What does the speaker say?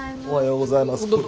おはようございます。